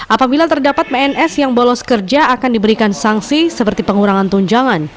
apabila terdapat pns yang bolos kerja akan diberikan sanksi seperti pengurangan tunjangan